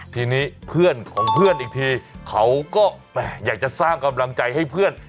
ทีนี้เพื่อนของเพื่อนอีกทีเขาก็อยากจะสร้างกำลังใจให้เพื่อน